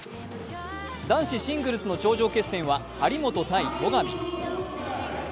男子シングルスの頂上決戦は張本×戸上。